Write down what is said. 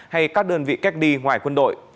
hay các đơn vị cách ly ngoài quân đội